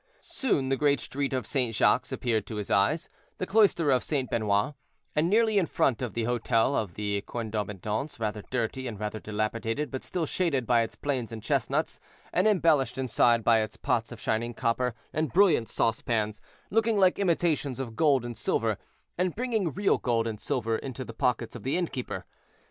Soon the great street of St. Jacques appeared to his eyes, the cloister of St. Benoit, and nearly in front of that the hotel of the Corne d'Abondance, rather dirty, and rather dilapidated, but still shaded by its planes and chestnuts, and embellished inside by its pots of shining copper, and brilliant saucepans, looking like imitations of gold and silver, and bringing real gold and silver into the pockets of the innkeeper.